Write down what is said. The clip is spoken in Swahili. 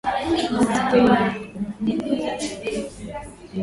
Masikio yako yanapendeza ukiwa umevaa.